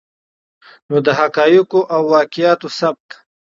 نو د حقایقو او واقعاتو ثبت